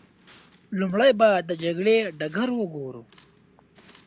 لومړی به د جګړې ډګر وګورو.